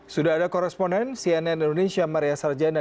sudah ada koresponden cnn indonesia maria sarjana